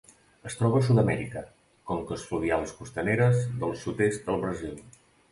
Es troba a Sud-amèrica: conques fluvials costaneres del sud-est del Brasil.